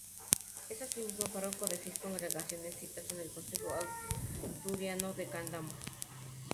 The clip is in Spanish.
Es asimismo párroco de seis congregaciones sitas en el concejo asturiano de Candamo.